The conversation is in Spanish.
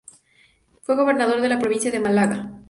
Fue Gobernador de la provincia de Málaga.